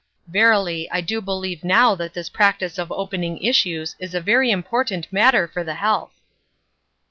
Verily, I do believe now that this practice of opening issues is a very important matter for the health."